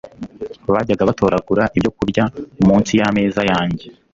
bajyaga batoragura ibyokurya munsi y'ameza yanjye